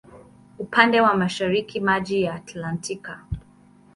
Upande wa mashariki maji ya Atlantiki.